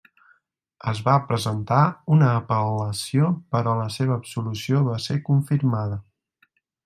Es va presentar una apel·lació però la seva absolució va ser confirmada.